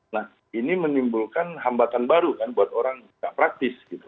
nah ini menimbulkan hambatan baru buat orang yang nggak praktis